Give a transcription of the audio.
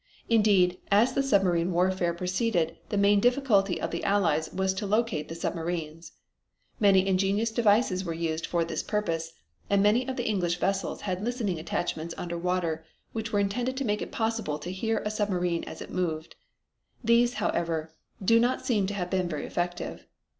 Indeed, as the submarine warfare proceeded the main difficulty of the Allies was to locate the submarines. Many ingenious devices were used for this purpose, and many of the English vessels had listening attachments under water which were intended to make it possible to hear a submarine as it moved. These, however, do not seem to have been very effective.